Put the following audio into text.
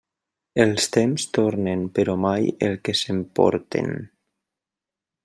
Els temps tornen, però mai el que s'emporten.